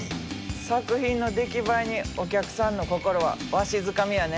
作品の出来栄えにお客さんの心はわしづかみやね。